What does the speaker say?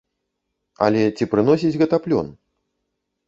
Але ці прыносіць гэта плён?